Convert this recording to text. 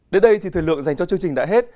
đến đây thì thời lượng dành cho chương trình đã hết